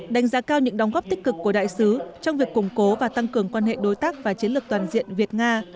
đánh giá cao những đóng góp tích cực của đại sứ trong việc củng cố và tăng cường quan hệ đối tác và chiến lược toàn diện việt nga